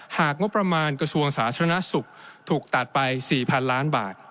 หากงบประมาณกระทรวงสาธารณสุขถูกตัดไป๔๐๐๐ล้านบาท